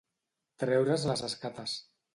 Treure's les escates.